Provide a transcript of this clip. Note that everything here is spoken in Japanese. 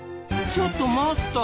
ちょっと待った！